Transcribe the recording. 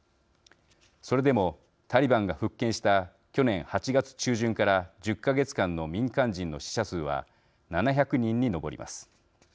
それでもタリバンが復権した去年８月中旬から１０か月間の民間人の死者数は７００人に上ります。